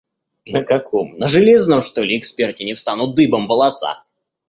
На каком — на железном, что ли, эксперте не встанут дыбом волоса?